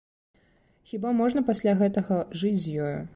Хіба можна пасля гэтага жыць з ёю?